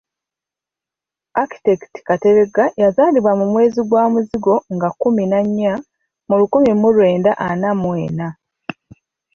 Architect Kateregga yazaalibwa mu mwezi gwa Muzigo nga kkumi na nnya, mu lukumi mu lwenda ana mu ena.